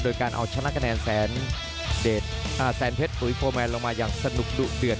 โดยการเอาชนะกระแนนแสนเดชอ่าแสนเพชรหรือโฟร์แมนลงมาอย่างสนุกดุเดือด